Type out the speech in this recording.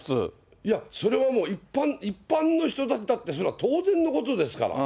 いや、それはもう、一般の人だったって、それは当然のことですから。